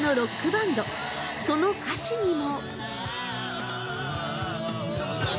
その歌詞にも。